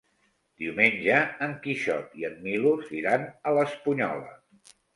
Diumenge en Quixot i en Milos iran a l'Espunyola.